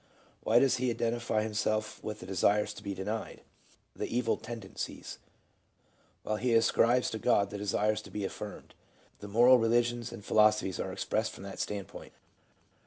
Why does he identify himself with the desires to be denied, the evil tendencies ; while he ascribes to God the desires to be affirmed 1 The moral religions and philosophies are expressed from that standpoint.